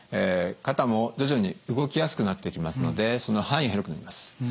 肩も徐々に動きやすくなってきますのでその範囲が広くなります。